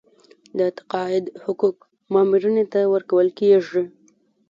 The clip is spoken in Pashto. د تقاعد حقوق مامورینو ته ورکول کیږي